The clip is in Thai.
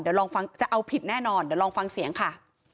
เดี๋ยวลองฟังเดี๋ยวลองฟังเสียงค่ะ